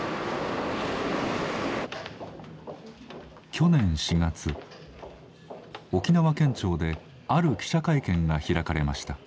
去年４月沖縄県庁である記者会見が開かれました。